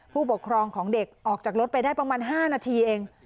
ผู้ปกครองของเด็กออกจากรถไปได้ประมาณ๕นาทีเอง